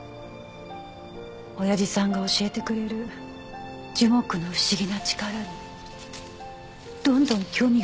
おやじさんが教えてくれる樹木の不思議な力にどんどん興味が湧いていった。